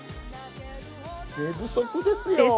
寝不足ですよ！